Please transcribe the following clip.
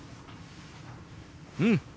うん！